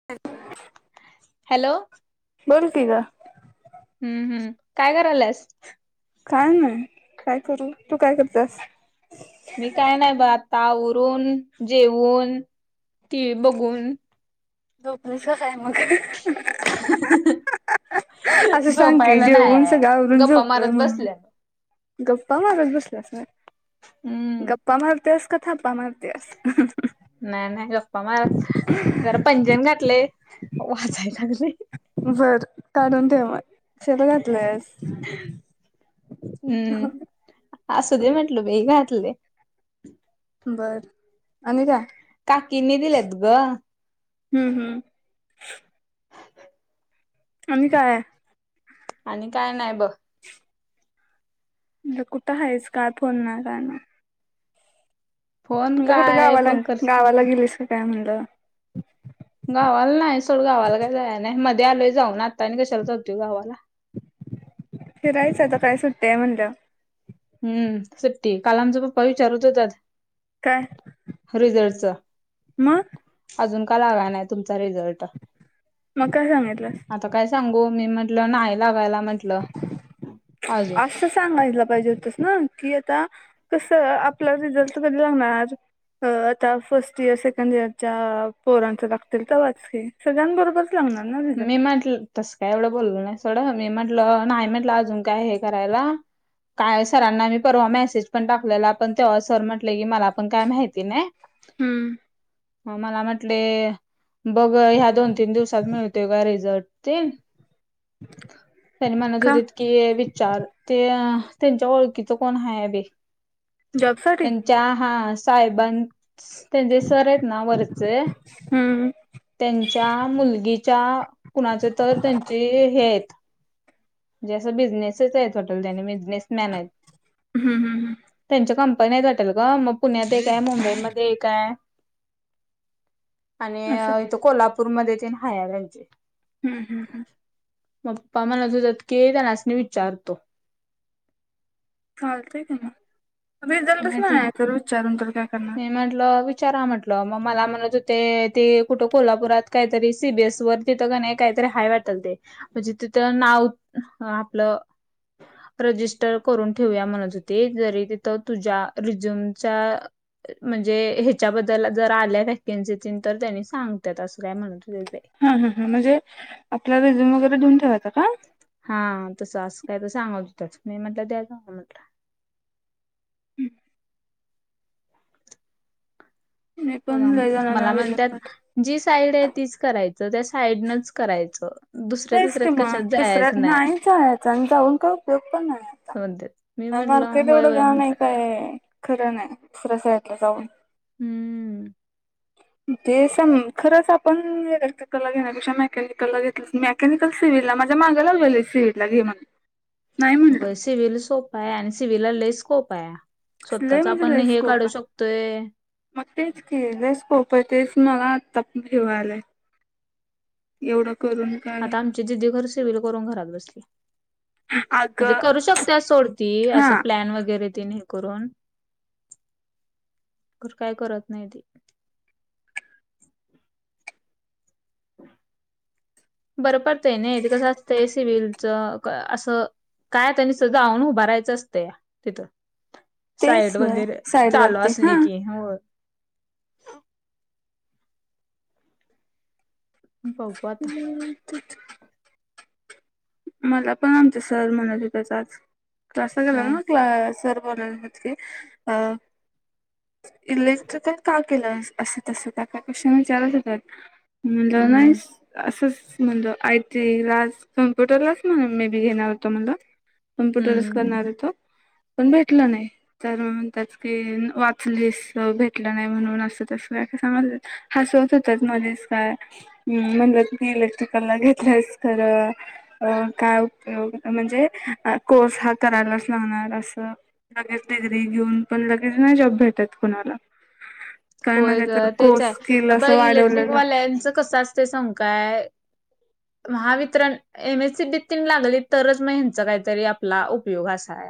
[inaudible] Hello बोल की ग हम्म हम्म, काय कराल्यास? काय नाई, काय करू? तू काय करत्यास? मी काय नाय ब, आता आवरून जेऊन टीव्ही बघून लो प्रेस कसाय मग? [inaudible] असं सांग की झोपायला जेवून सगळं नाही आवरून गप्पा झोपलोय मारत म्हणून बसल्या गप्पा मारत बसल्यास [unintelligible] हम्म गप्पा मारत्यास का, थापा मारत्यास? नाय नाय, गप्पा मार जरा, पैजण घातले वाचाय लागलंय. बरं, काढून ठेव, मग कशाला घातलंस? हम्म, असू दे म्हटलं, बई घातले. बरं, आणि काय? काकींनी दिलेत गं हम्म हम्म आणि काय? आणि काय नाय बघ. म्हणलं, कुठं हायस? काय, फोन नाय? काय नाय फोन म्हणलं, कुठं काय गावाला फोन कर गावाला गेलीस का? काय म्हणलं. गावाला नाय सोडं, गावाला काय जायाय नाय. मध्ये आलोय, जाऊन आता आणि कशाला जातुय गावाला? फिरायचं आता काय, सुट्टीये म्हणलं. हं, सुट्टी काल आमचं पप्पा विचार होतत. काय रिझल्टच मग अजून का लागाय नाय? तुमचा रिझल्ट? म काय सांगितलंस? आता काय सांगू, मी म्हटलं नाई लागायला म्हण असं सांगायला पाहिजे हुतस. की आता कसं, आपला रिझल्ट कधी लागणार? अं.. आता फर्स्ट इयर, सेकंड इयरच्या पोरांच लागतील तव्हाच की सगळ्यांबरोबर? लागणार ना रिझल्ट मी म्हटलं. तस काय एवढं बोललं नाही सोडं मी म्हंटलं नाही म्हंटलं अजून काय हे करायला. काय सरांना मी परवा मेसेज पण टाकलेला पण तेव्हा सर म्हटले की मला पण काय माहिती नाही. हम्म म मला म्हटले बघ ह्या दोन, तीन दिवसात मिळत त्यो काय रिझॉर्ट तेन. त्यांनी म्हणत का होतेत की विचार ते त्यांच्या ओळखीच कोण हाय बी. जॉबसाठी? त्या हा साहेबां त्यांचे सर आहेत ना वरच हम्म त्यांच्या मुलगीच्या कुणाचे तर त्यांचे हे आहेत. म्हणजे असं बिझनेसच आहेत हॉटेल त्याने बिझनेस मॅन आहेत. हम्म हम्म हम्म त्यांच्या कंपन्या आहेत वाटल ग मग पुण्यात एक आहे, मुंबईमध्ये एक आहे. आणि असं इथ कोल्हापूरमध्ये तेन हाया त्यांचे. हम्म हम्म हम्म पप्पा म्हणत होतत की तेनास्नी विचारतो. चालतय की म रिझल्टच म्हटलं नायाय तर विचारून तर काय करणार? मी म्हटलं विचारा म्हट मग मला म्हणत ते कुठ कोल्हापुरात कायतरी सी बी एस वर तिथ कणी काहीतरी हाय वाटल ते म्हणजे तिथं नाव आपलं रजिस्टर करून ठेवूया म्हणत होते जरी तिथ तुझ्या रिझ्युमच्या म्हणजे हेच्याबद्दल जर आल्या वॅकन्सी तर त्यांनी सांगत्यात असं काय म्हणत होतीत बाई. हम्म हम्म हम्म म्हणजे आपला रेझ्यूम वगैरे देेऊन ठेवायचां का? हा तसं असं काय तर सांगत होतत मी म्हटलं द्या जावा म्हटल. हम् मी पण बघा म लय मला जणांना रिझ्यूम पाठवला म्हणत्यात जी साईड आहे तीच करायचं त्या साईडनच करायचं. दुसऱ्या होईच कि तिसऱ्यात कशात मग दुसऱ्यात जायचं नाही जायाचं आणि जाऊन काय उपयोग पण नाही आता. म्हणतात मी हा म्हटलं मार्केट होय एवढं होय घाण आहे म्हटलं काय खरं नाही दुसऱ्या साईडला जाऊन. हम्ममम् ते स खरच आपण इलेक्ट्रीकला घेण्यापेक्षा मेकॅनिककला घेतलं मेक मेकॅनिकल, सिव्हिलला माझ्या माग लागलेले सिव्हिल ला घे म्हणून नाही म्ह होय सिवील सोप आहे आणि सिवीला लई स्कोप आहे. लय स्वतःच म्हणजे आपण लय हे स्कोप काढू आहे शकतोय. मग तेच की लई स्कोप आहे तेच मला आत्ता पण हे व्हायल. एवढ करून काय आता आमची दिदी खरं सीविल करून घरात बसली. म्हणजे अगं करू शकत्या सोड ती असं हा प्लॅन वगैरे तीनं हे करून खरं काय करत नाही ती. [inaudible] बरं पडतय नई ते कसं असतं सिवलच असं काय आता नुसत जाऊन उभारायचं असतया तिथं. तेच साईट व्हय वगैरे साईड चालू वरती असली हा की होय. बघू आता [unintelligible] मला पण आमचा सर म्हणत होतत आज क्लासल गेलेलो काय ना क्ला सर बोलवलेले. अ इलेक्ट्रिकल का केलं अस तसं काय काय प्रश्न विचारत होतत. म्हणलं नाही हम्म असंच म्हणलं आय टी ला च कम्प्युटर लाच म्हण म्हणुन मी बी घेणार होतो म्हणलं कम्प्युटरच हम्म करणार होत. पण भेटलं नाही. तर म्हणत्यात की वाचलीस भेटलं नाही म्हणून असं तसं काय का सांगा हसवत होतच मध्येेच काय, हम इलेक्ट्रिकलला घेतलंस खरं अ काय उपयोग म्हणजे कोर्स हा करायलाच लागणार असं, लगेच डिग्री घेऊन पण लगेच ना जॉब भेटत कुणाला. काय ना होय ग त्याच तेच कोर्स स्किल आहे ब असं वाढवलं लागत इलेक्ट्रिकवाल्यांचं कसं असत सागच काय. महा वीतत्र एम एस सी बी तीन लागली तरच मग ह्यांचा काहीतरी आपला उपयोग असा आहे.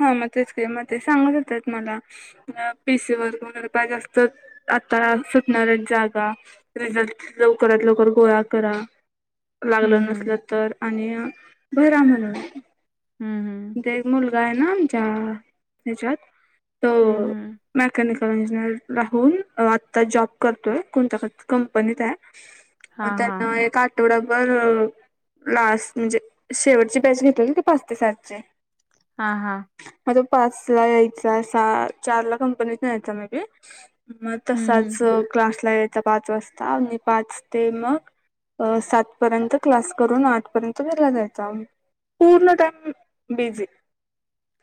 हा मग तेच का म ते सांगत होते मला, पीसी वर वगैर पाहिजे असल्या तर आता सुटणाऱ्या जागा, रिझल्ट लवकरात लवकर गोळा करा. हम्म लागलं हम्म नसलं तर आणि भरा म्हणून हम्म हम्म देव मुलगायना जा हच्याात, हम्म हम्म मेकॅनिकल इंजिनिअर राहून आत्ता जॉब करतोय कोणत कंपनीत आहे. मग हां, हां. त्यांना एक तेवढा ब लास्ट म्हणजे शेवटची बॅच घेतली पाच ते सातची. हा हा हा तो पाच ला यायचा, सहा चार ला कंपनीच जायचा मे बी, मग हं, हं. तसाच क्लासला यायचा पाच वाजता आणि पाच ते मग, अ सातपर्यंत क्लास करून आठ पर्यंत घरला जायचा. पूर्ण टाईम बिझी,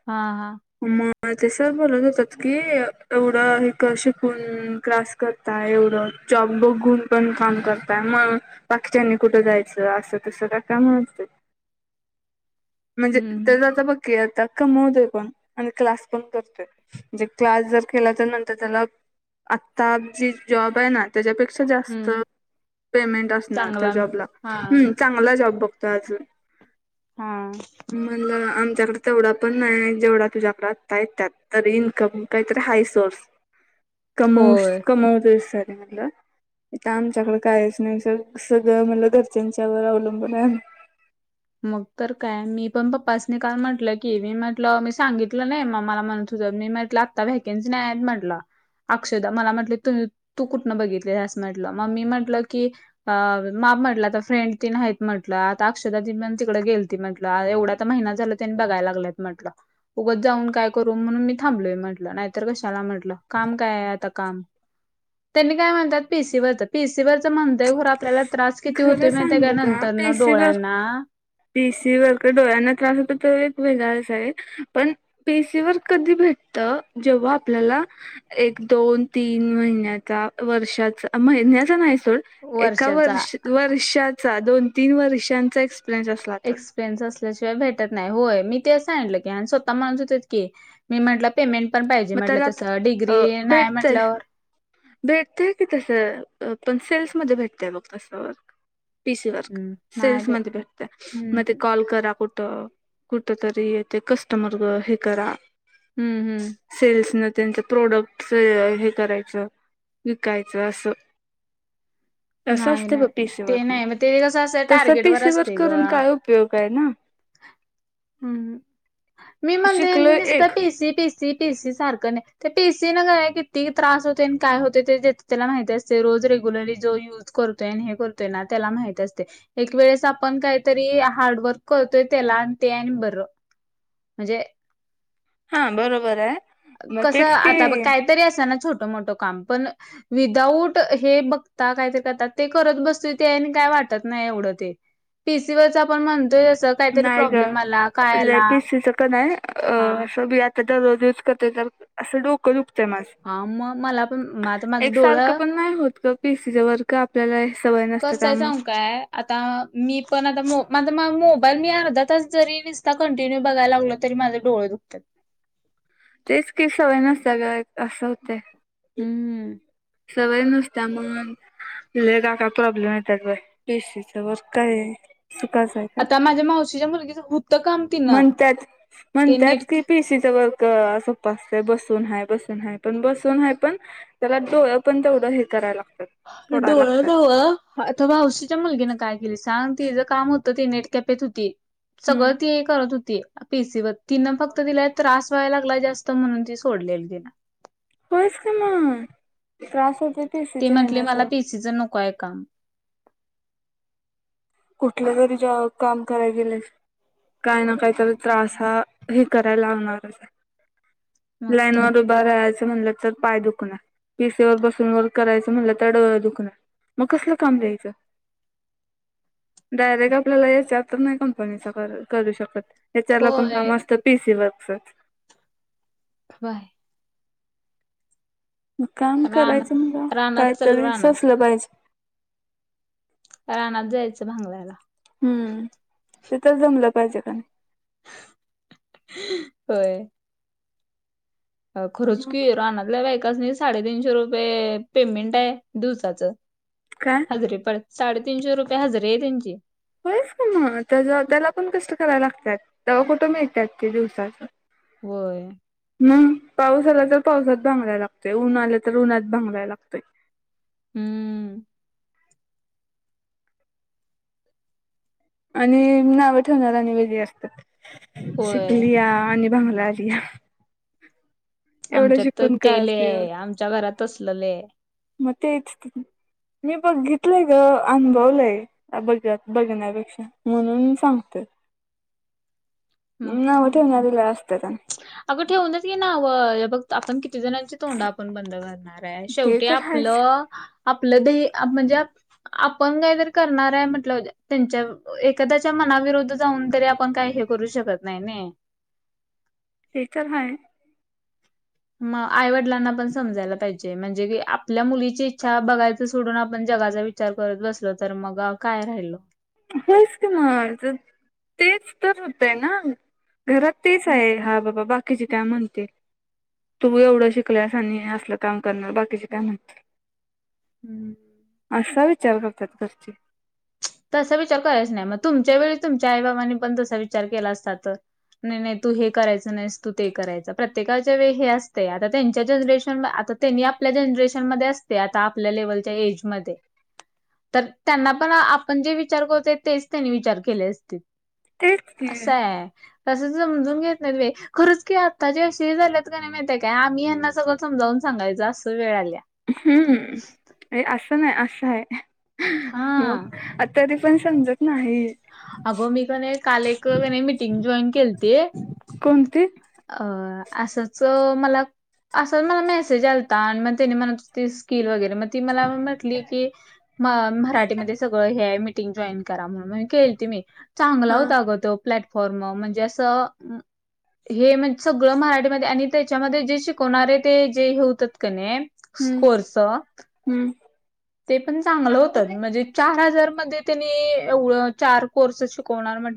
हा हा मग ते सर बोलत होतात की एवढं एक शिकून क्लास, करताय एवढं जॉब बघून पण काम करताय मग बाकीच्यांनी कुठं जायचं असं तसं का काय म्हणत होते. हं, म्हणजे हं. तेच आता बघकी आता कमवतोय पण आणि क्लास पण करतोय. म्हणजे क्लास जर केला तर नंतर त्याला आत्ता जी जॉब आहे ना. त्यांच्यापेक्षा जास्त, हं. पेमेंट असणार त्या चांगला जॉबला ह हां, चांगला जॉब बघतो अजून, हां. मला आमच्याकडं, तेवढा पण नाही जेवढा तुझ्या प्रातता आहेत त्यात तर इनकम काहीतरी हाय सोर्स. कमव होय. कमवतो सर [unintelligible] काय आम्हच्याकडे काहीच नाही सग सगळं मला घरच्यांच्यावर अवलंबून आहे. मग तर काय मी पण पप्पासनी काल म्हटलं की मी म्हटलं मी सांगितलं नाही म मला म्हणत होतं मी आता व्हॅकनसी म्हनला. अक्षदा मला म्हटलं तु तू कुठनं बघितली असं म्हटलं मगी म्हटलं की, अ मा म्हटलं आता फ्रेंड तीन आहेत म्हटलं आता अक्षदा, तिकडे गेल ती म्हटलं एवढा तर महिना झाला त्यानी बघाय लागलात म्हटलं. उगत जाऊन काय करू म्हणून मी थांबलोय म्हटलं नाहीतर कशाला म्हटलं काम काय आहे आता काम त्यांनी काय म्हणतात पीसीवररचं पीसीवररचं म्हणतोय खरं आपल्याला, त्रास किती खरं होतोय माहित आहे काय नंतर न पेशीवर डोळ्यांना. पिसी वर का डोळ्यांना त्रास होत वेगळाच आहे. पण पेसीवर कधी भेटत जेव्हा आपल्याला एक दोन तीन महिन्याचा वर्षाचा महिन्याचा नाही सोड. एका वर्षाचा वर्ष वर्षाचा दोन-तीन वर्षांचा एक्सपिरियन्स अस एक्सपिरियन्स असल्याशिवाय भेटत नाही. होय मी ते सांगलं की आणि स्वतः होतत होतीत की मी म्हटलं पेमेंट पण पाहिजे मग म्हटलं त्याला तसं डिग्री नाही म्हटल्यावर भेटतेय की तसं पण सेल्स मध्ये भेटतय बघ तसवर. PC work. हम्म, नाही सेल्स बाई मध्ये भेटते हम्म मग ते कॉल करा कुठं? कुठ तरी तेे कस्टमर हे करा. हम्म हम्म. सेल्स न त्यांच प्रोडक्ट हे करायचं. विकायचं असं. तसं नाही असते ब नाही पीसीवर. ते नाही मग ते कसं असं तस टार्गेट पीसी वर असते ग करून काय उपयोग आहे ना. [inaudible] मी म्हणतोय मी शिकलोय नुसता एक T C T C. T C सारखं नाही ते ती सी न काय किती त्रास होते आणि काय होते ते त्याला माहती असते रोज रेग्युलरली जो यूज करतोय हे करतोय ना त्याला माहित असते. एक वेळेस आपण काहीतरी हार्डवर्क करतोय त्याला आणि ते आणि बरं. म्हणजे? हा बरोबर आहे. मग कसं तेच की आता काहीतरी असं ना छोटं मोठं काम पण विदाउट हे बघता काहीतरी करतात ते करत बसत ते आणि काय वाटत नाही एवढं ते. पीसी वरच आपण म्हणतोय जसं नाही ग ले पी सी च हिच का नाही अ हा अस असं डोक दुखतय- माझं. हा मग मला पण म आता माझं एक सारख डोळं पण नाही होत पीसी चे वरच. का आपल्याला सवय नसतं कसं आहे त्यामुळे. सांगू काय आता मी पण आता मो माझ मोबाईल मी अर्धा तास जरी दिसता कंटिन्यू बघायला लाग तरी माझे डोळे दुखतात. तीचकी सवय नसते ग‌ं. असं होतंय. हम्म. सवय नुसत्या मग लेगा काय प्रॉब्लेम येत बा. पीसीच वर काय हाय सुकाचं आहे का? णे मावशीच्या मुलगचं होतं का म्हणतात म्हणतात की पीशीचं वर्ग असं स बसून हाय बसून हाय पण बसून हाय पण बसुन ह्या डोळे पण तेवढं हे करायला लागतात. फोडायला डोळा लागतात नावा. आ मावशीच्या मुलगीने काय केली सांग तिचं काम होतं ती नेटकॅपेत होती. हम्म सगळं ती हे करत होती पेसीवर तिना फक्त तिला त्रास व्हायला लागला जास्त म्हणून ती सोडलेली तीन. होयस की मग. त्रास होते. ती पीसीच्या म्हटली हेन मला सोड पीसीचं नको आहे काम. कुठले तरी ज काम करायला गेले काय ना काय तरी त्रास हा हे करायला लागणारच. मग लाईन तर वर उभं राहायचं म्हटलं तर पाय दुखणार. पिसीवर बसून वर्क करायचं म्हणलं तर डोळे दुखणार मग कसलं काम द्यायचं. डायरेक्ट आपल्याला एच आर तर नाही कंपनीचा क करू शकत एच आरला पण काम होय असतात. P C works. बाय. काम करायचं मला रानात रानात चल कायतरी रानात सोसलं पाहिजे. रानात जायचं भांंगलायला. हम्म ते तरी जमलं पाहिजे त्यांना. होय. खरच की, रानातल्या बाईकासनी साडेतीनशे रुपये पेमेंटय दिवसाचं. काय? हजरी पड साडेतीनशे रुपये हजरी आहे त्यांची. होयचं की मग, त्या त्याला पण कष्ट करायला लागतात तेव्हा कुठं मिळतात ते दिवसाचं. होय. मंग पाऊस आला तर पावसात भांगलाय लागतंय उन आलं तर उन्हात भांगलाय लागतंय. हम्म. आणि नाव ठेवणारी आणि वेगळी असत्यात होय शिकलीया आणि भांगलाय आलीया. आमच्यात तर ते काय उपयोग लईय आमच्या घरात तसंल लईय. मग तेच की मी बघितलंय गं अनुभवलंय. बघ बघण्यापेक्षा म्हणून मी सांगतोय. मग नाव तर ठेवणारी लई असत्यात्या. अगं ठेवू देत की नाव हे बघ आपण किती जणांची तोंड आपण बंद करणार. ते शेवटी तर आहेच आपलं आपलं दे हे म्हणजे आप आपण काहीतरी करणार आहे म्हटल्यावर ते त्यांच्या एखाद्याच्या मनाविरूद्ध जाऊन तरी आपण काही हे करू शकत नाही ने. ते तर हाय. म आईवडलांना पण समजायला पाहिजे म्हणजे की आपल्या मुलीची इच्छा बघायचं सोडून आपण जगाचा वि विचार करत बसलो तर मग काय राहिलं. होयच कि म ज तेच तर होतय ना घरात हम्म तिचय हा बाबा बाकीची काय म्हणतील. तुम्ही एवढं शिकलीयास आणि हे असलं काम करणार बाकीचे काय म्हणतील. हम्म. असा विचार करतात घरची. तसा विचार करायच नाही मग तुमच्या वेळीस तुमच्या आई बाबांनी पण तसा विचार केला असता तर. नाही नाही तू हे करायचं नाहीस तू ते करायचं प्रत्येकाच्या वेळी हे असतंय आता त्यांच्या जनरेशनला आता त्यांनी आपल्या जनरेशन मध्ये असतीय आता आपल्या लेवलच्या ऐजमध्ये ते तर त्यांना पण आप आपण जे विचार करतोय तेच त्यांनी विचार केले असतील तेच की असंय. तसं समजून घेत नाहीत बाई खरंच की आताच्या असे हे झाल्यात का नाही माहितय काय आम्ही यांना सगळं समजावून सांगायच अस्स वेळ आलीया. हम्म हे अस्स नाही अस्स हाय हां. मग तरी पण समजत नाही. अगं मी कनाय काल एक कनाय मीटिंग जॉईन केलती. कोणती अ असंच मला असंच मला मेसेज आलता आणि मग त्यांनी म्हणतं होतीत स्किल वगैरे मग ती मला म्हटली की म मराठीमध्ये सगळं हे मीटिंग जॉईन करा म्हणून आणि केलती चांगला हा हुता अगं तो प्लॅट फॉर्म म्हणजे असं, हे म्हणजे सगळ मराठीमध्ये आणि त्याच्यामध्ये जे‌ शिकवणारे ते जे हे होततं कणी हम्म स्कोरचं हम्म ते पण चांगलं होतत म्हणजे चार हजार मध्ये त्येनी एवढं चार कोर्से शिकवणार म्हटल्यावर